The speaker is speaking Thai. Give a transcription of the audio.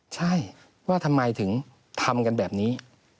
ใช่ว่าทำไมถึงทำกันแบบนี้